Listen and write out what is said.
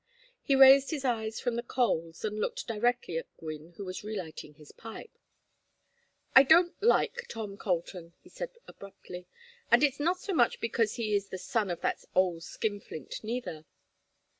He raised his eyes from the coals and looked directly at Gwynne, who was relighting his pipe. "I don't like Tom Colton," he said, abruptly. "And it's not so much because he is the son of that old skinflint, neither.